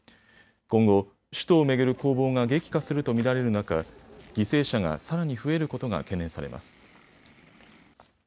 今後、首都を巡る攻防が激化するとみられる中、犠牲者がさらに増えることが懸念されます。